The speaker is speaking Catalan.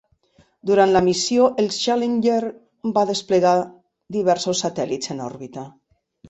Durant la missió, el "Challenger" va desplegar diversos satèl·lits en òrbita.